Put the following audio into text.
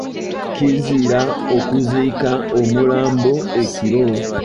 Kizira okuziika omulambo ekiro.